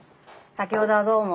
先ほどはどうも。